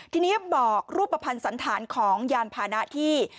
ทีนี้บอกรูปภัณฑ์สันธารของยานพานะที่